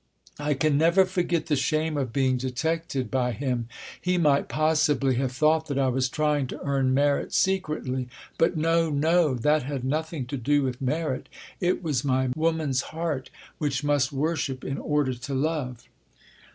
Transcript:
I can never forget the shame of being detected by him. He might possibly have thought that I was trying to earn merit secretly. But no, no! That had nothing to do with merit. It was my woman's heart, which must worship in order to love.